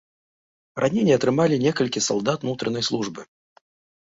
Раненні атрымалі некалькі салдат ўнутранай службы.